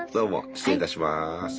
失礼いたします。